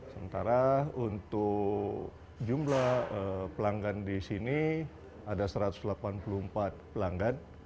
sementara untuk jumlah pelanggan di sini ada satu ratus delapan puluh empat pelanggan